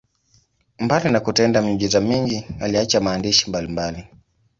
Mbali na kutenda miujiza mingi, aliacha maandishi mbalimbali.